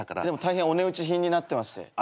でも大変お値打ち品になってまして。